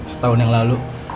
setahun yang lalu